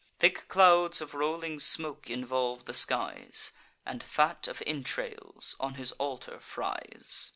Thick clouds of rolling smoke involve the skies, And fat of entrails on his altar fries.